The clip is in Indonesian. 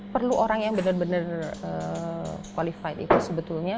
perlu orang yang benar benar qualified itu sebetulnya